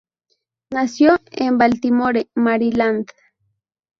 Nació en Baltimore, Maryland.